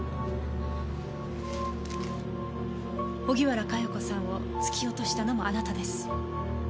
荻原佳代子さんを突き落としたのもあなたです。